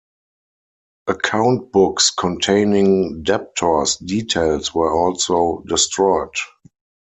Account books containing debtors' details were also destroyed.